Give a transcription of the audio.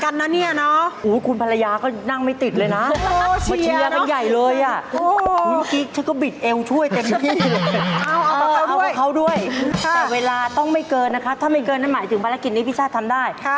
ดรกมากเลยมันคิดเล่นมาก